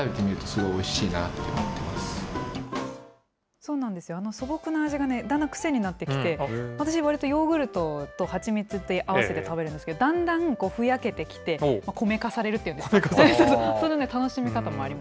そうなんですよ、あの素朴な味がだんだん癖になってきて、私、わりとヨーグルトと蜂蜜で合わせ食べるんですけど、だんだんふやけてきて、米化されるっていうんですか、そんな楽しみ方もありま